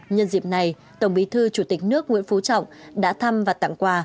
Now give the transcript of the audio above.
nhân dịp này tổng bí thư chủ tịch nước nguyễn phú trọng đã thăm và tặng quà